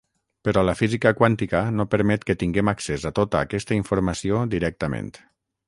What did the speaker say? Però la física quàntica no permet que tinguem accés a tota aquesta informació directament.